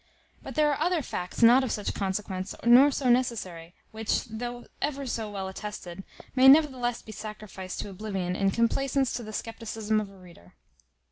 But there are other facts not of such consequence nor so necessary, which, though ever so well attested, may nevertheless be sacrificed to oblivion in complacence to the scepticism of a reader.